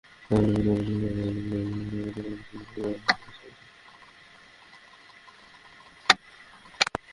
তাঁদের মতো অনেক শিক্ষার্থীই এখন প্রতিযোগিতার জন্য অ্যাপের ধারণাপত্র তৈরির কাজ করছেন।